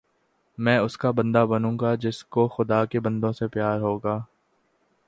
میں اس کا بندہ بنوں گا جس کو خدا کے بندوں سے پیار ہوگا